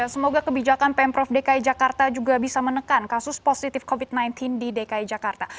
semoga kebijakan pemprov dki jakarta juga bisa menekan kasus positif covid sembilan belas di dki jakarta